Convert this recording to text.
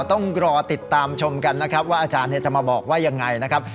ต้องรอติดตามชมกันนะครับว่าอาจารย์จะมาบอกว่ายังไงนะครับ